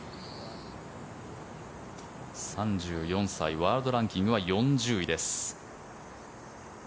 ３４歳、ワールドランキングは４０位です。